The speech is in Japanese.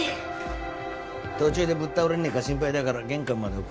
途中でぶっ倒れねえか心配だから玄関まで送っていってやる。